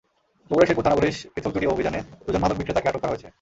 বগুড়ার শেরপুর থানা-পুলিশ পৃথক দুটি অভিযানে দুজন মাদক বিক্রেতাকে আটক করা হয়েছে।